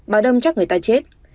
bà đâm chắc người ta chết